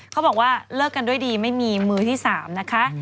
เขาบอกว่าเลิกกันด้วยดีไม่มีมือที่๓นะคะ